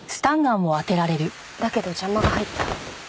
だけど邪魔が入った。